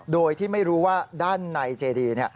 โดยที่ไม่รู้ว่าด้านในเจดี